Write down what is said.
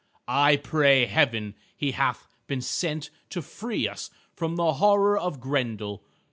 I pray Heaven he hath been sent to free us from the horror of Grendel.